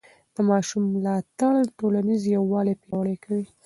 د ماشوم ملاتړ ټولنیز یووالی پیاوړی کوي.